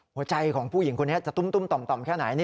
หัวใจของผู้หญิงคนนี้จะตุ้มต่อมแค่ไหน